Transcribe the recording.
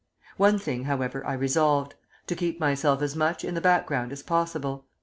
One thing, however, I resolved, to keep myself as much in the background as possible.